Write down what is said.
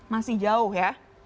masih jauh ya